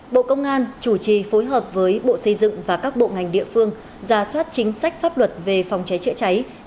bộ công an chủ trì phối hợp với bộ xây dựng và các bộ ngành địa phương ra soát chính sách pháp luật về phòng cháy chữa cháy